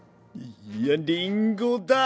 いやりんごだ！